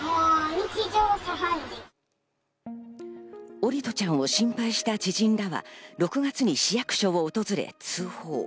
桜利斗ちゃんを心配した知人らが６月に市役所を訪れ通報。